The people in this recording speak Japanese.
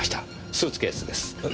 スーツケースです。